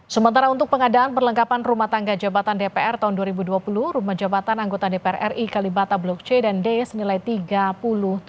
sementara untuk pengadaan perlengkapan rumah tangga jabatan dpr tahun dua ribu dua puluh rumah jabatan anggota dpr ri kalibata blok c dan d senilai rp tiga puluh triliun